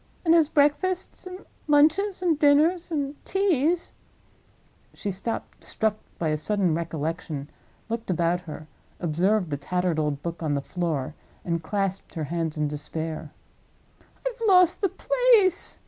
And his breakfasts, and lunches, and dinners, and teas—" She stopped, struck by a sudden recollection, looked about her, observed the tattered old book on the floor, and clasped her hands in despair. "I've lost the place!"